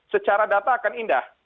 secara data akan indah